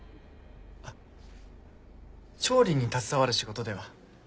あ調理に携わる仕事では？